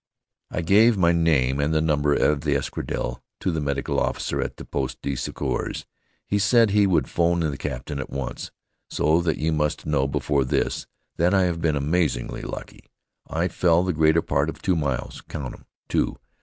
I gave my name and the number of the escadrille to the medical officer at the poste de secours. He said he would 'phone the captain at once, so that you must know before this, that I have been amazingly lucky. I fell the greater part of two miles count 'em, two!